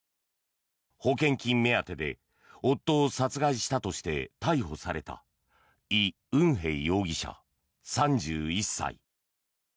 保険金目当てで夫を殺害したとして逮捕されたイ・ウンヘ容疑者、３１歳。